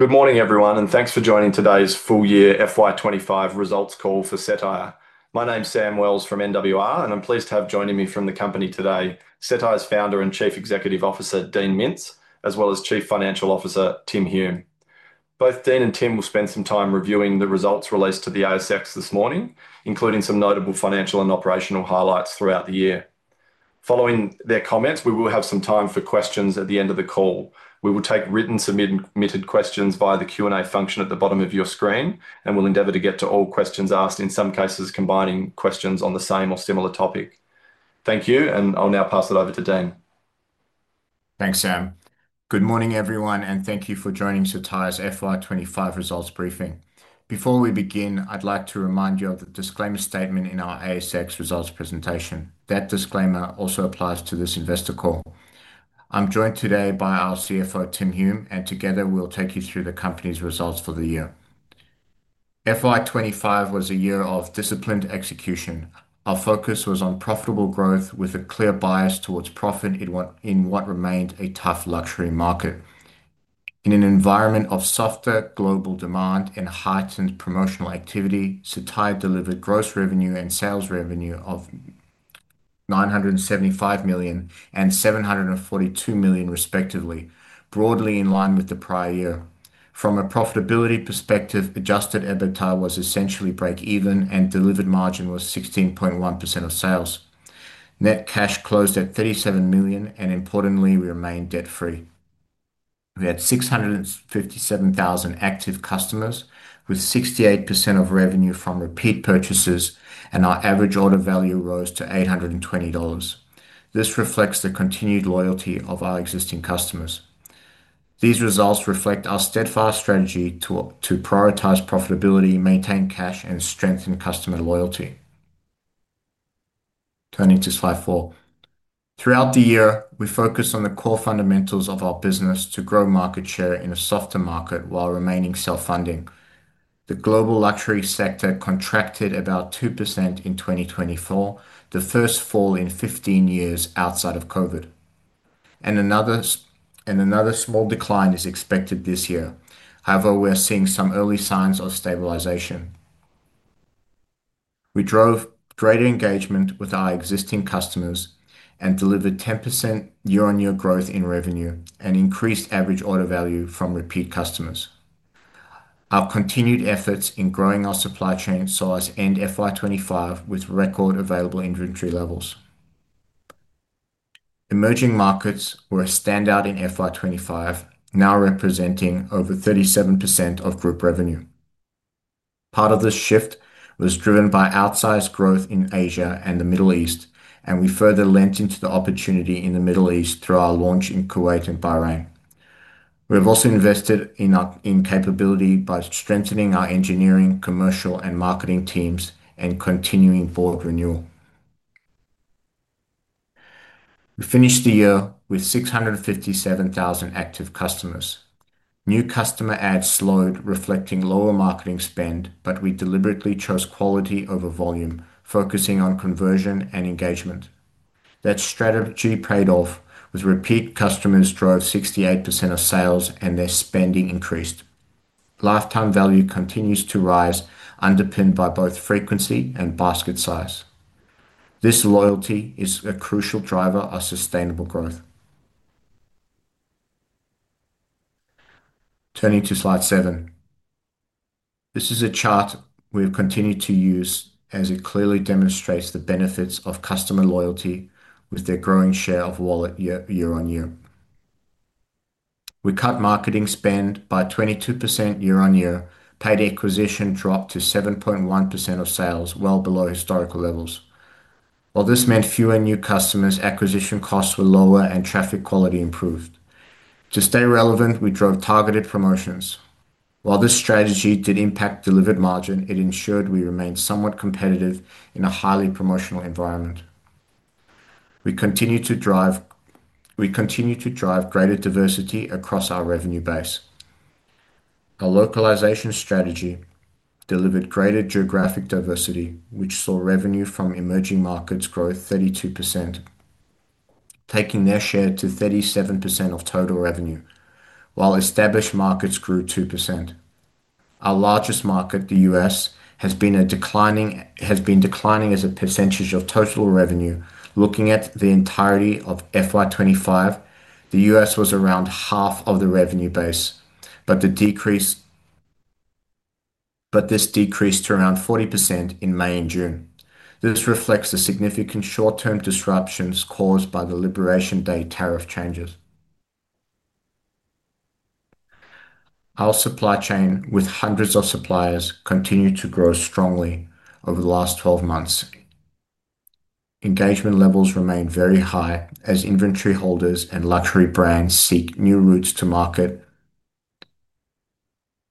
Good morning, everyone, and thanks for joining today's full-year FY 2025 results call for Cettire. My name is Sam Wells from NWR, and I'm pleased to have joining me from the company today, Cettire's Founder and Chief Executive Officer, Dean Mintz, as well as Chief Financial Officer, Tim Hume. Both Dean and Tim will spend some time reviewing the results released to the ASX this morning, including some notable financial and operational highlights throughout the year. Following their comments, we will have some time for questions at the end of the call. We will take written submitted questions via the Q&A function at the bottom of your screen, and we'll endeavour to get to all questions asked, in some cases combining questions on the same or similar topic. Thank you, and I'll now pass it over to Dean. Thanks, Sam. Good morning, everyone, and thank you for joining Cettire's FY 2025 results briefing. Before we begin, I'd like to remind you of the disclaimer statement in our ASX results presentation. That disclaimer also applies to this investor call. I'm joined today by our CFO, Tim Hume, and together we'll take you through the company's results for the year. FY 2025 was a year of disciplined execution. Our focus was on profitable growth with a clear bias towards profit in what remained a tough luxury market. In an environment of softer global demand and heightened promotional activity, Cettire delivered gross revenue and sales revenue of $975 million and $742 million, respectively, broadly in line with the prior year. From a profitability perspective, adjusted EBITDA was essentially break-even, and delivered margin was 16.1% of sales. Net cash closed at $37 million, and importantly, we remained debt-free. We had 657,000 active customers, with 68% of revenue from repeat purchases, and our average order value rose to $820. This reflects the continued loyalty of our existing customers. These results reflect our steadfast strategy to prioritize profitability, maintain cash, and strengthen customer loyalty. Turning to slide four, throughout the year, we focused on the core fundamentals of our business to grow market share in a softer market while remaining self-funded. The global luxury sector contracted about 2% in 2024, the first fall in 15 years outside of COVID. Another small decline is expected this year. However, we're seeing some early signs of stabilization. We drove greater engagement with our existing customers and delivered 10% year-on-year growth in revenue and increased average order value from repeat customers. Our continued efforts in growing our supply chain saw us end FY 2025 with record available inventory levels. Emerging markets were a standout in FY 2025, now representing over 37% of group revenue. Part of this shift was driven by outsized growth in Asia and the Middle East, and we further lent into the opportunity in the Middle East through our launch in Kuwait and Bahrain. We have also invested in capability by strengthening our engineering, commercial, and marketing teams and continuing forward renewal. We finished the year with 657,000 active customers. New customer adds slowed, reflecting lower marketing spend, but we deliberately chose quality over volume, focusing on conversion and engagement. That strategy paid off, with repeat customers driving 68% of sales and their spending increasing. Lifetime value continues to rise, underpinned by both frequency and basket size. This loyalty is a crucial driver of sustainable growth. Turning to slide seven, this is a chart we have continued to use as it clearly demonstrates the benefits of customer loyalty with their growing share of wallet year on year. We cut marketing spend by 22% year on year, paid acquisition dropped to 7.1% of sales, well below historical levels. While this meant fewer new customers, acquisition costs were lower and traffic quality improved. To stay relevant, we drove targeted promotions. While this strategy did impact delivered margin, it ensured we remained somewhat competitive in a highly promotional environment. We continue to drive greater diversity across our revenue base. Our localization strategy delivered greater geographic diversity, which saw revenue from emerging markets grow 32%, taking their share to 37% of total revenue, while established markets grew 2%. Our largest market, the U.S., has been declining as a percentage of total revenue. Looking at the entirety of FY 2025, the U.S. was around half of the revenue base, but this decreased to around 40% in May and June. This reflects the significant short-term disruptions caused by the Liberation Day tariff changes. Our supply chain, with hundreds of suppliers, continued to grow strongly over the last 12 months. Engagement levels remain very high as inventory holders and luxury brands seek new routes to market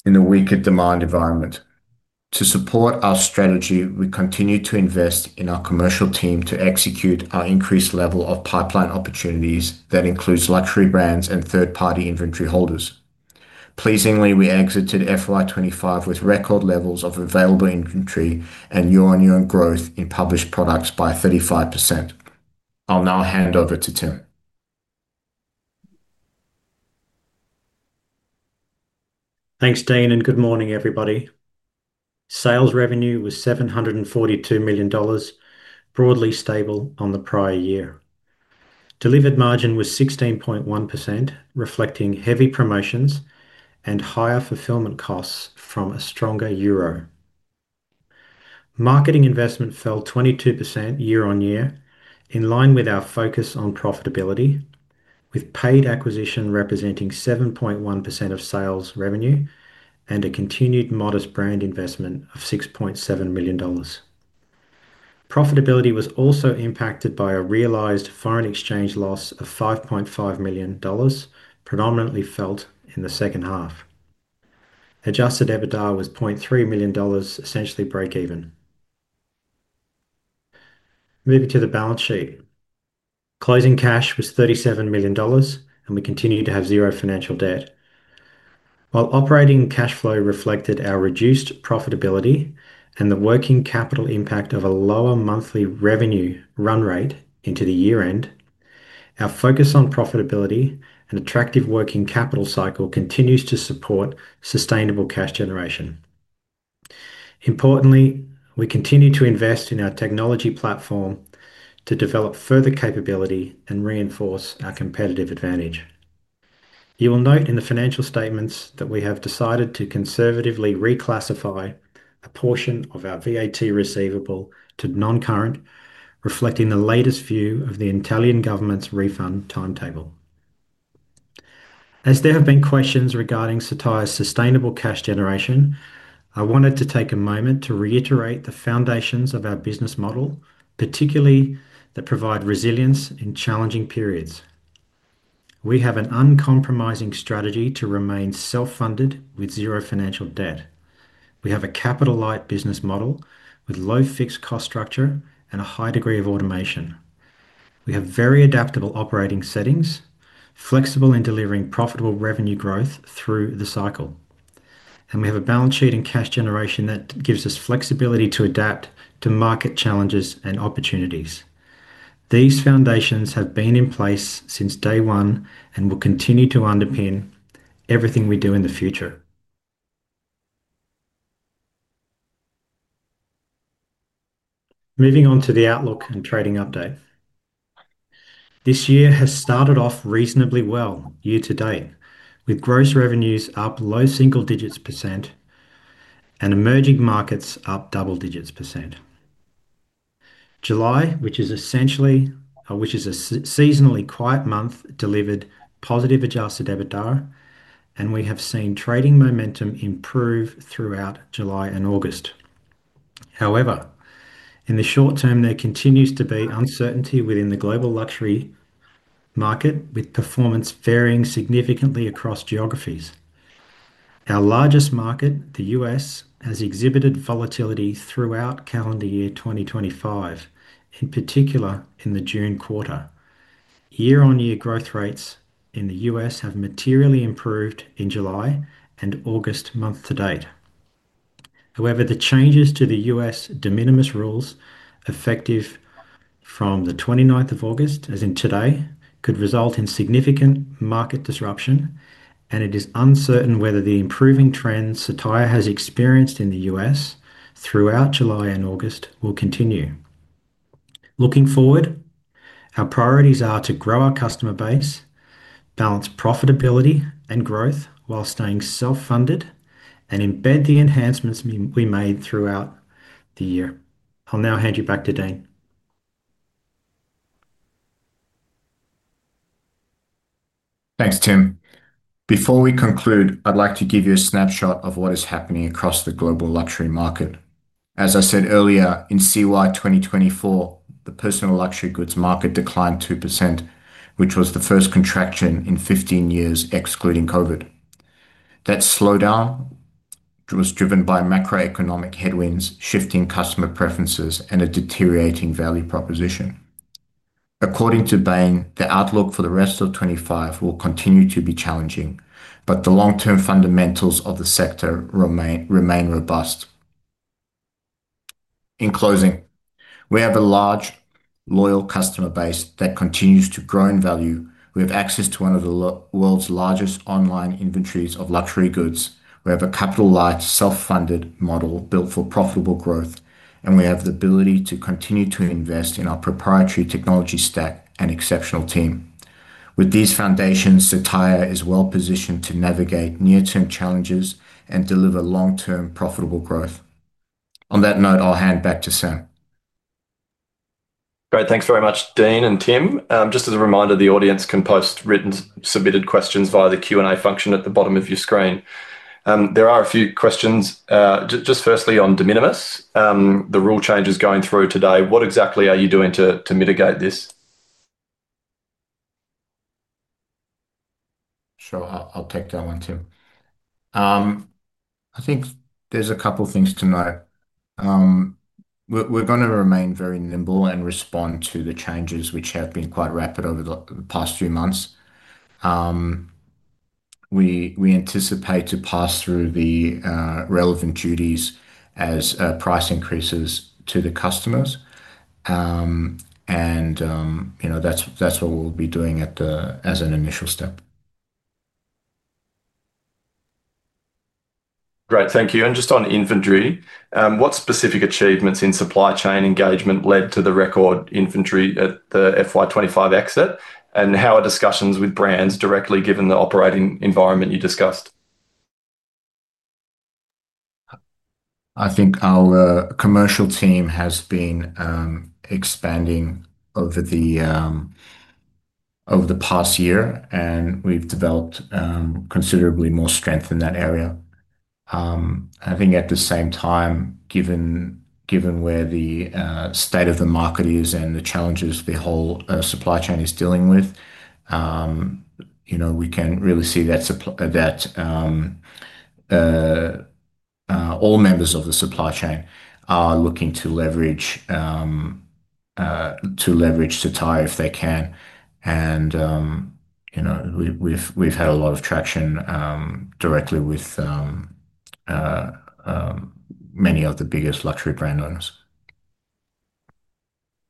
in a weaker demand environment. To support our strategy, we continue to invest in our commercial team to execute our increased level of pipeline opportunities that include luxury brands and third-party inventory holders. Pleasingly, we exited FY 2025 with record levels of available inventory and year-on-year growth in published products by 35%. I'll now hand over to Tim. Thanks, Dean, and good morning, everybody. Sales revenue was $742 million, broadly stable on the prior year. Delivered margin was 16.1%, reflecting heavy promotions and higher fulfilment costs from a stronger euro. Marketing investment fell 22% year on year, in line with our focus on profitability, with paid acquisition representing 7.1% of sales revenue and a continued modest brand investment of $6.7 million. Profitability was also impacted by a realized foreign exchange loss of $5.5 million, predominantly felt in the second half. Adjusted EBITDA was $0.3 million, essentially break-even. Moving to the balance sheet, closing cash was $37 million, and we continued to have zero financial debt. While operating cash flow reflected our reduced profitability and the working capital impact of a lower monthly revenue run rate into the year-end, our focus on profitability and attractive working capital cycle continues to support sustainable cash generation. Importantly, we continue to invest in our technology platform to develop further capability and reinforce our competitive advantage. You will note in the financial statements that we have decided to conservatively reclassify a portion of our VAT receivable to non-current, reflecting the latest view of the Italian government's refund timetable. As there have been questions regarding Cettire's sustainable cash generation, I wanted to take a moment to reiterate the foundations of our business model, particularly that provide resilience in challenging periods. We have an uncompromising strategy to remain self-funded with zero financial debt. We have a capital-light business model with low fixed cost structure and a high degree of automation. We have very adaptable operating settings, flexible in delivering profitable revenue growth through the cycle, and we have a balance sheet and cash generation that gives us flexibility to adapt to market challenges and opportunities. These foundations have been in place since day one and will continue to underpin everything we do in the future. Moving on to the outlook and trading update. This year has started off reasonably well year to date, with gross revenues up low single digits percent and emerging markets up double digits percent. July, which is essentially a seasonally quiet month, delivered positive adjusted EBITDA, and we have seen trading momentum improve throughout July and August. However, in the short term, there continues to be uncertainty within the global luxury market, with performance varying significantly across geographies. Our largest market, the U.S., has exhibited volatility throughout calendar year 2025, in particular in the June quarter. Year-on-year growth rates in the U.S. have materially improved in July and August month to date. However, the changes to the U.S. de minimis rules effective from the 29th of August, as in today, could result in significant market disruption, and it is uncertain whether the improving trend Cettire has experienced in the U.S. throughout July and August will continue. Looking forward, our priorities are to grow our customer base, balance profitability and growth while staying self-funded, and embed the enhancements we made throughout the year. I'll now hand you back to Dean. Thanks, Tim. Before we conclude, I'd like to give you a snapshot of what is happening across the global luxury market. As I said earlier, in CY 2024, the personal luxury goods market declined 2%, which was the first contraction in 15 years, excluding COVID. That slowdown was driven by macroeconomic headwinds, shifting customer preferences, and a deteriorating value proposition. According to Bain, the outlook for the rest of 2025 will continue to be challenging, but the long-term fundamentals of the sector remain robust. In closing, we have a large, loyal customer base that continues to grow in value. We have access to one of the world's largest online inventories of luxury goods. We have a capital-light, self-funded model built for profitable growth, and we have the ability to continue to invest in our proprietary technology stack and exceptional team. With these foundations, Cettire is well positioned to navigate near-term challenges and deliver long-term profitable growth. On that note, I'll hand back to Sam. Great, thanks very much, Dean and Tim. Just as a reminder, the audience can post written submitted questions via the Q&A function at the bottom of your screen. There are a few questions. Just firstly on de minimis, the rule changes going through today. What exactly are you doing to mitigate this? Sure, I'll take that one, Tim. I think there's a couple of things to know. We're going to remain very nimble and respond to the changes, which have been quite rapid over the past few months. We anticipate to pass through the relevant duties as price increases to the customers, and that's what we'll be doing as an initial step. Great, thank you. Just on inventory, what specific achievements in supply chain engagement led to the record inventory at the FY 2025 exit, and how are discussions with brands directly given the operating environment you discussed? I think our commercial team has been expanding over the past year, and we've developed considerably more strength in that area. I think at the same time, given where the state of the market is and the challenges the whole supply chain is dealing with, we can really see that all members of the supply chain are looking to leverage Cettire if they can, and we've had a lot of traction directly with many of the biggest luxury brand owners.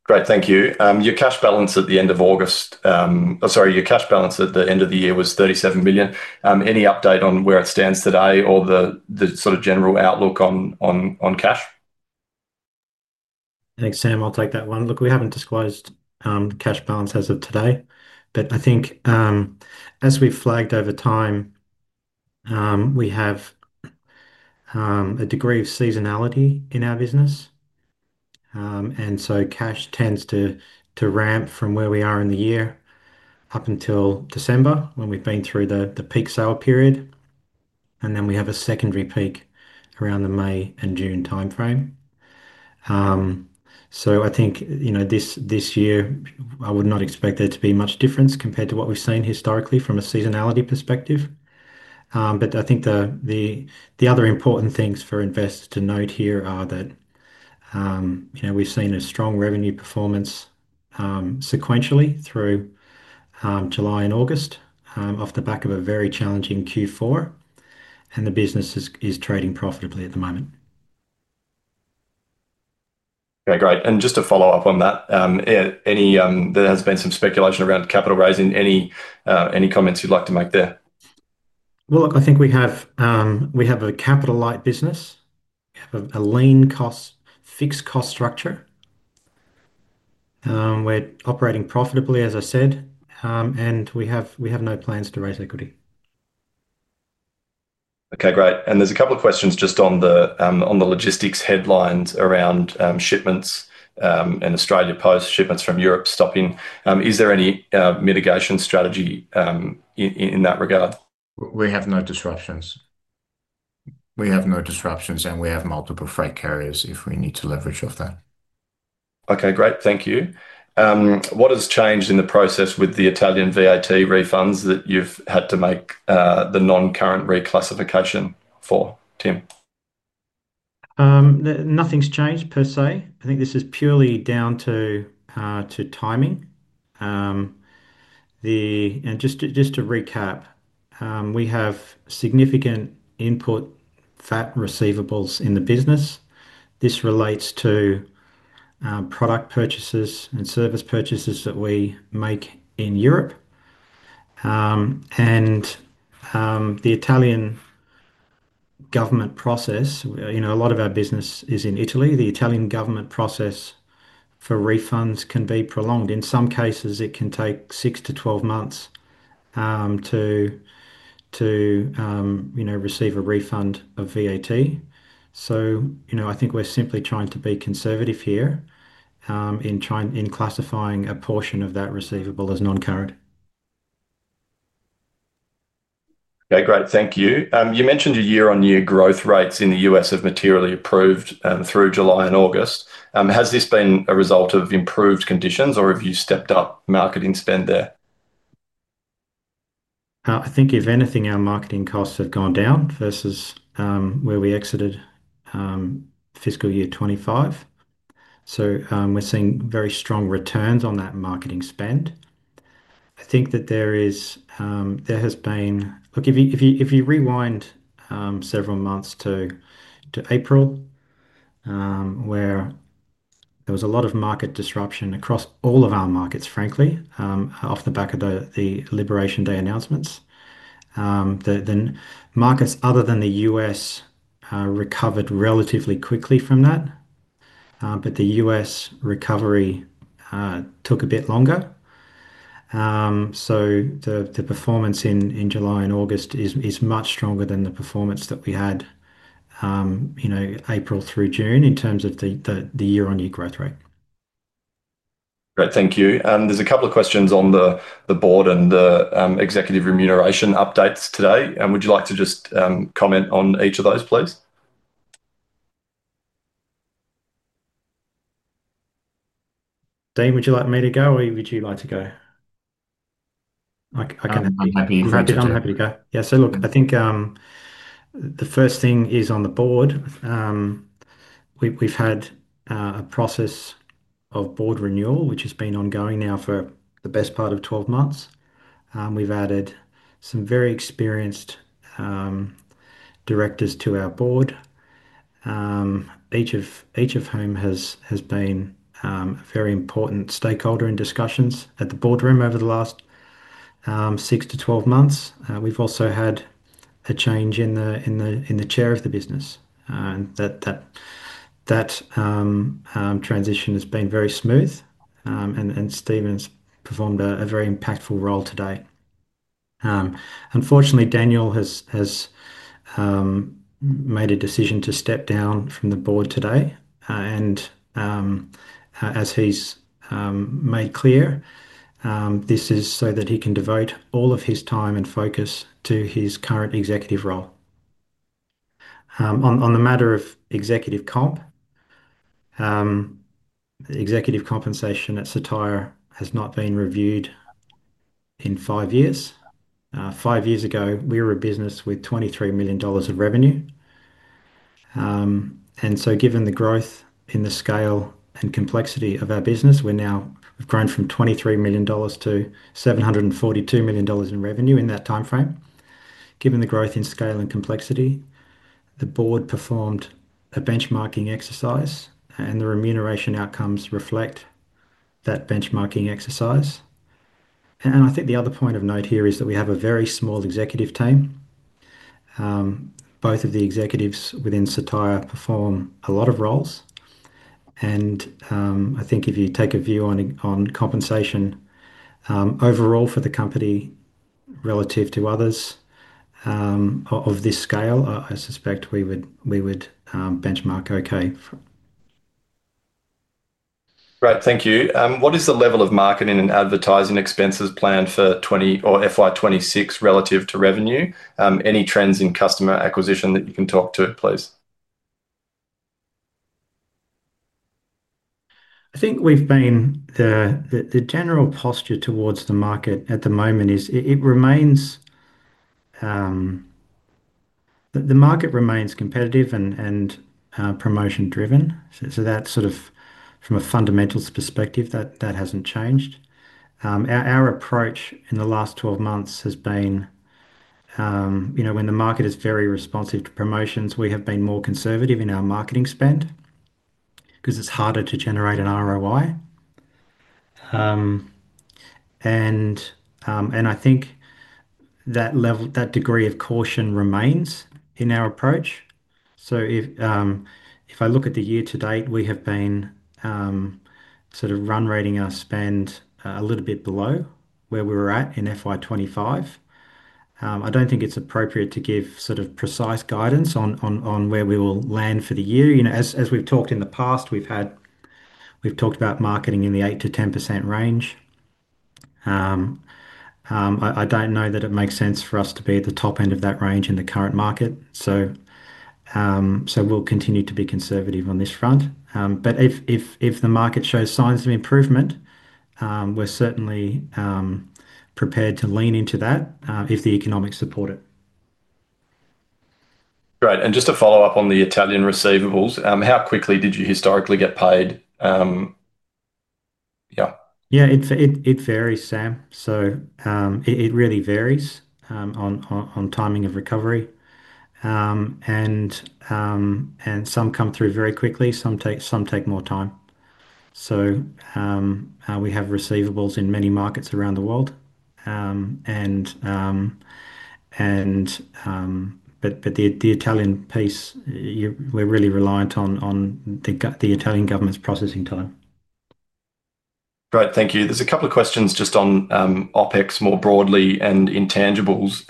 Great, thank you. Your cash balance at the end of August, sorry, your cash balance at the end of the year was $37 million. Any update on where it stands today or the sort of general outlook on cash? Thanks, Sam. I'll take that one. Look, we haven't disclosed the cash balance as of today, but I think as we've flagged over time, we have a degree of seasonality in our business, and cash tends to ramp from where we are in the year up until December when we've been through the peak sale period, and then we have a secondary peak around the May and June timeframe. I think this year I would not expect there to be much difference compared to what we've seen historically from a seasonality perspective, but I think the other important things for investors to note here are that we've seen a strong revenue performance sequentially through July and August off the back of a very challenging Q4, and the business is trading profitably at the moment. Okay, great. Just to follow up on that, there has been some speculation around capital raising. Any comments you'd like to make there? I think we have a capital-light business, we have a lean fixed cost structure. We're operating profitably, as I said, and we have no plans to raise equity. Okay, great. There are a couple of questions just on the logistics headlines around shipments in Australia post shipments from Europe stopping. Is there any mitigation strategy in that regard? We have no disruptions, and we have multiple freight carriers if we need to leverage off that. Okay, great, thank you. What has changed in the process with the Italian VAT refunds that you've had to make the non-current reclassification for, Tim? Nothing's changed per se. I think this is purely down to timing. Just to recap, we have significant input VAT receivables in the business. This relates to product purchases and service purchases that we make in Europe. The Italian government process, you know, a lot of our business is in Italy. The Italian government process for refunds can be prolonged. In some cases, it can take six to twelve months to receive a refund of VAT. I think we're simply trying to be conservative here in classifying a portion of that receivable as non-current. Okay, great, thank you. You mentioned your year-on-year growth rates in the U.S. have materially improved through July and August. Has this been a result of improved conditions, or have you stepped up marketing spend there? I think if anything, our marketing costs have gone down versus where we exited fiscal year 2025. We're seeing very strong returns on that marketing spend. If you rewind several months to April, where there was a lot of market disruption across all of our markets, frankly, off the back of the Liberation Day announcements, the markets other than the U.S. recovered relatively quickly from that. The U.S. recovery took a bit longer. The performance in July and August is much stronger than the performance that we had April through June in terms of the year-on-year growth rate. Great, thank you. There's a couple of questions on the board and the executive compensation updates today. Would you like to just comment on each of those, please? Dean, would you like me to go, or would you like to go? I'm happy to go. I think the first thing is on the board. We've had a process of board renewal, which has been ongoing now for the best part of 12 months. We've added some very experienced directors to our board, each of whom has been a very important stakeholder in discussions at the boardroom over the last 6 to 12 months. We've also had a change in the Chair of the business, and that transition has been very smooth, and Stephen's performed a very impactful role today. Unfortunately, Daniel has made a decision to step down from the board today, and as he's made clear, this is so that he can devote all of his time and focus to his current executive role. On the matter of executive comp, executive compensation at Cettire has not been reviewed in five years. Five years ago, we were a business with $23 million of revenue, and given the growth in the scale and complexity of our business, we've grown from $23 million to $742 million in revenue in that timeframe. Given the growth in scale and complexity, the board performed a benchmarking exercise, and the remuneration outcomes reflect that benchmarking exercise. I think the other point of note here is that we have a very small executive team. Both of the executives within Cettire perform a lot of roles, and I think if you take a view on compensation overall for the company relative to others of this scale, I suspect we would benchmark okay. Great, thank you. What is the level of marketing and advertising expenses planned for FY 2026 relative to revenue? Any trends in customer acquisition that you can talk to, please? I think we've been, the general posture towards the market at the moment is it remains, the market remains competitive and promotion-driven. From a fundamentals perspective, that hasn't changed. Our approach in the last 12 months has been, you know, when the market is very responsive to promotions, we have been more conservative in our marketing spend because it's harder to generate an ROI. I think that level, that degree of caution remains in our approach. If I look at the year to date, we have been sort of run rating our spend a little bit below where we were at in FY 2025. I don't think it's appropriate to give precise guidance on where we will land for the year. As we've talked in the past, we've talked about marketing in the 8%-10% range. I don't know that it makes sense for us to be at the top end of that range in the current market. We will continue to be conservative on this front. If the market shows signs of improvement, we're certainly prepared to lean into that if the economics support it. Great. Just to follow up on the Italian receivables, how quickly did you historically get paid? Yeah, it varies, Sam. It really varies on timing of recovery. Some come through very quickly, some take more time. We have receivables in many markets around the world. The Italian piece, we're really reliant on the Italian government's processing time. Great, thank you. There's a couple of questions just on OpEx more broadly and intangibles.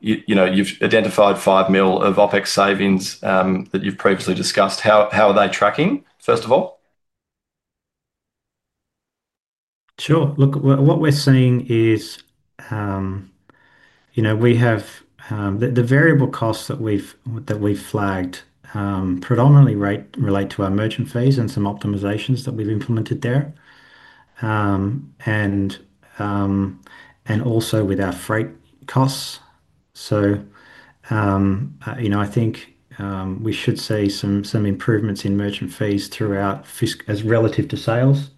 You've identified $5 million of OpEx savings that you've previously discussed. How are they tracking, first of all? Sure. Look, what we're seeing is, you know, we have the variable costs that we've flagged predominantly relate to our merchant fees and some optimizations that we've implemented there, and also with our freight costs. I think we should see some improvements in merchant fees throughout as relative to sales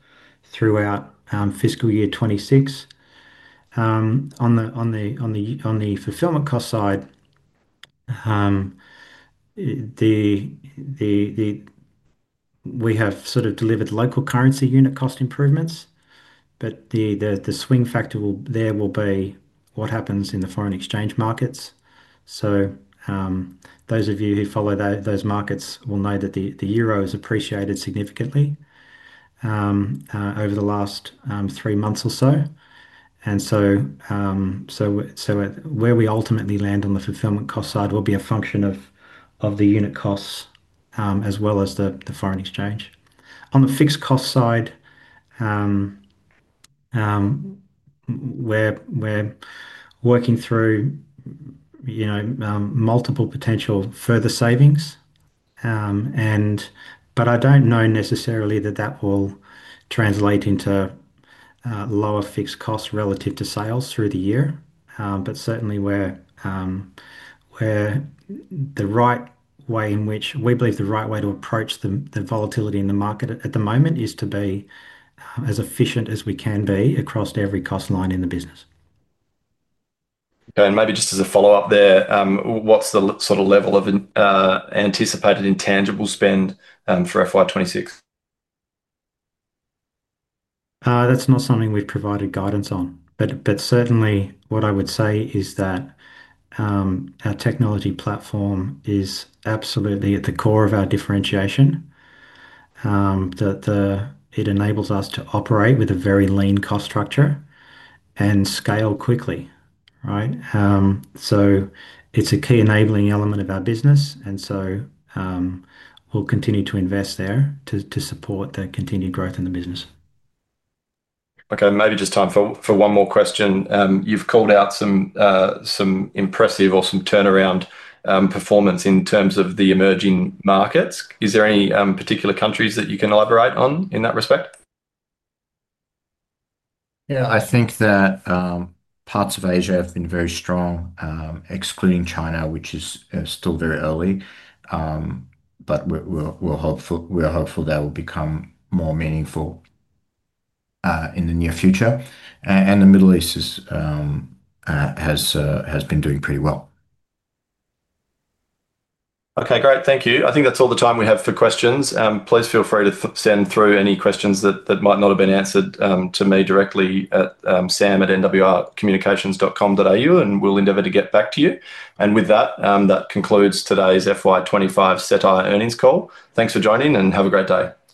throughout fiscal year 2026. On the fulfilment cost side, we have sort of delivered local currency unit cost improvements, but the swing factor there will be what happens in the foreign exchange markets. Those of you who follow those markets will know that the euro has appreciated significantly over the last three months or so. Where we ultimately land on the fulfilment cost side will be a function of the unit costs as well as the foreign exchange. On the fixed cost side, we're working through multiple potential further savings. I don't know necessarily that that will translate into lower fixed costs relative to sales through the year. Certainly, the right way in which we believe the right way to approach the volatility in the market at the moment is to be as efficient as we can be across every cost line in the business. Maybe just as a follow-up there, what's the sort of level of anticipated intangible spend for FY 2026? That's not something we've provided guidance on. What I would say is that our technology platform is absolutely at the core of our differentiation. It enables us to operate with a very lean cost structure and scale quickly. It is a key enabling element of our business, and we'll continue to invest there to support the continued growth in the business. Okay, maybe just time for one more question. You've called out some impressive or some turnaround performance in terms of the emerging markets. Is there any particular countries that you can elaborate on in that respect? I think that parts of Asia have been very strong, excluding China, which is still very early. We're hopeful that will become more meaningful in the near future. The Middle East has been doing pretty well. Okay, great, thank you. I think that's all the time we have for questions. Please feel free to send through any questions that might not have been answered to me directly at sam@nwrcommunications.com.au, and we'll endeavor to get back to you. With that, that concludes today's FY 2025 Cettire earnings call. Thanks for joining, and have a great day. Goodbye.